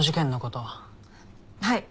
はい。